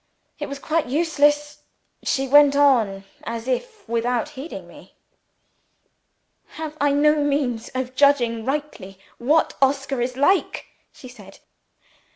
It was quite useless. She went on, as before, without heeding me. "Have I no means of judging rightly what Oscar is like?" she said.